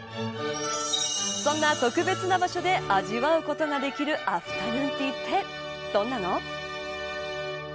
そんな特別な場所で味わうことができるアフタヌーンティーってどんなの。